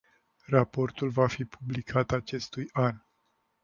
Raportul va fi publicat acestui an.